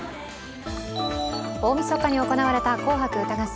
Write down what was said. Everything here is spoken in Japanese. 大みそかに行われた「紅白歌合戦」。